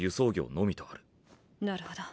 なるほど。